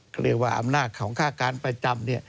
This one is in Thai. เขาเรียกว่าอำนาจของค่าการประจำ